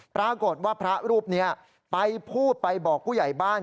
ปรากฏว่าพระรูปนี้ไปพูดไปบอกผู้ใหญ่บ้าน